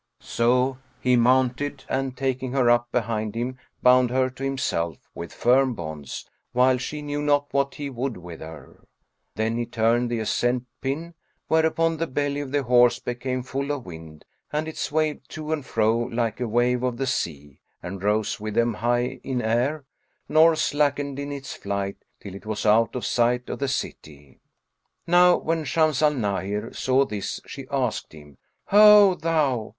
So he mounted and, taking her up behind him bound her to himself with firm bonds, while she knew not what he would with her. Then he turned the ascent pin, whereupon the belly of the horse became full of wind and it swayed to and fro like a wave of the sea, and rose with them high in air nor slackened in its flight, till it was out of sight of the city. Now when Shams al Nahir saw this, she asked him, "Ho thou!